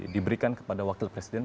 diberikan kepada wakil presiden